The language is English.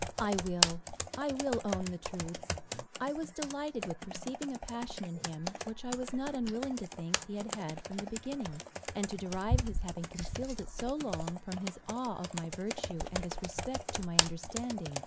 I will I will own the truth; I was delighted with perceiving a passion in him, which I was not unwilling to think he had had from the beginning, and to derive his having concealed it so long from his awe of my virtue, and his respect to my understanding.